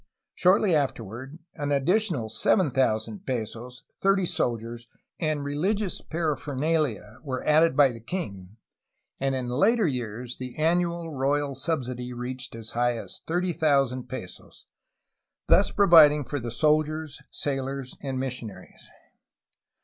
Shortly afterward an additional 7000 pesos, thirty soldiers, and re ligious paraphernalia were added by the king, and in later years the annual royal subsidy reached as high as 30,000 pesos, thus providing for the soldiers, sailors, and mission aries.